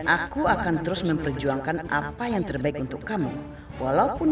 apa yang kamu berniat nanti sama arbitra koordinator